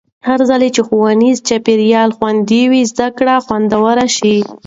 هرځل چې ښوونیز چاپېریال خوندي وي، زده کړه خوندوره شي.